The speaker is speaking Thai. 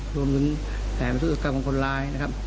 รวมถึงแผนพฤติกรรมของคนร้ายนะครับ